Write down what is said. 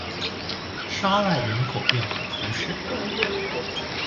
沙赖人口变化图示